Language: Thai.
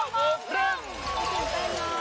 เมื่อกลิ่งไปนอน